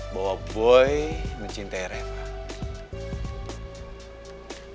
bahwa boy mencintai reva